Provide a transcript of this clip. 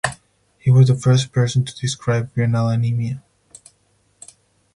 He was the first person to describe renal anaemia.